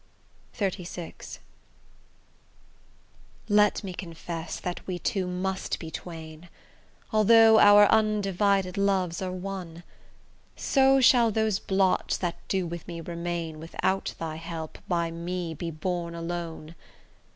XXXVI Let me confess that we two must be twain, Although our undivided loves are one: So shall those blots that do with me remain, Without thy help, by me be borne alone.